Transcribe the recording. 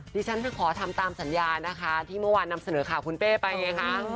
ฉันขอทำตามสัญญานะคะที่เมื่อวานนำเสนอข่าวคุณเป้ไปไงคะ